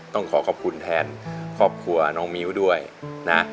ต้องขอขอบคุณแทนครอบครัวน้องมิ้วด้วยนะ